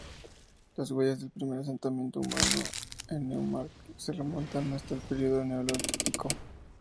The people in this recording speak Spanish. Las huellas del primer asentamiento humano en Neumarkt se remontan hasta el periodo Neolítico.